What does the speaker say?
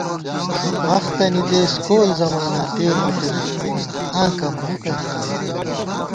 بختَنی دېس کول زماناتېر بِتنَئیت آں کمبخت دریتَنَئیم